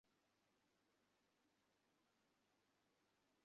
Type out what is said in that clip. রামচন্দ্রকে পিঠে তুলিয়া লইল, রামচন্দ্র চোখ বুঁজিয়া প্রাণপণে তাহার পিঠ আঁকড়িয়া ধরিলেন।